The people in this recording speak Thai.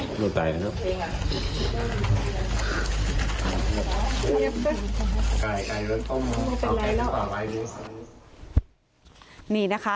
ก็ตายแล้วนะครับ